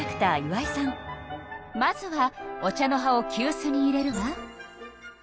まずはお茶の葉をきゅうすに入れるわ。